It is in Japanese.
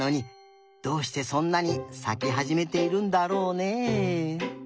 どうしてそんなにさきはじめているんだろうね。